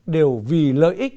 đều vì lợi ích